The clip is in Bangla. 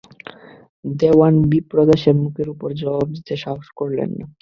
দেওয়ান বিপ্রদাসের মুখের উপর জবাব দিতে সাহস করলে না।